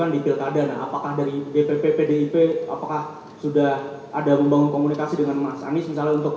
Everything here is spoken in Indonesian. dpp dan dip membangun komunikasi dengan mas anies